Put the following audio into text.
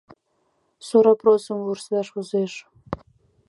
Сорапросым вурсаш возеш.